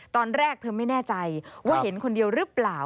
ตอนแรกเธอไม่แน่ใจว่าเห็นคนเดียวหรือเปล่า